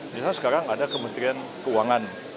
misalnya sekarang ada kementerian keuangan